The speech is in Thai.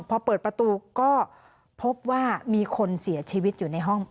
พอเปิดประตูก็พบว่ามีคนเสียชีวิตอยู่ในห้อง